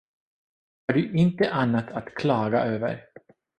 Har du inte annat att klaga över?